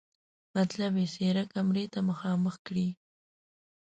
مطلب یې څېره کمرې ته مخامخ کړي.